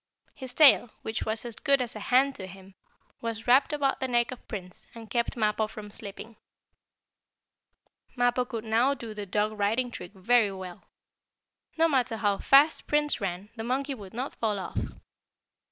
His tail, which was as good as a hand to him, was wrapped about the neck of Prince, and kept Mappo from slipping. Mappo could now do the dog riding trick very well. No matter how fast Prince ran, the monkey would not fall off.